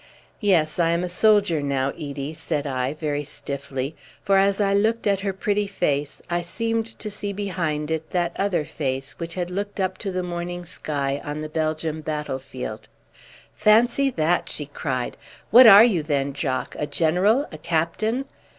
"Yes, I am a soldier now, Edie," said I, very stiffly; for as I looked at her pretty face, I seemed to see behind it that other face which had looked up to the morning sky on the Belgium battle field. "Fancy that!" she cried. "What are you, then, Jock? A general? A captain?"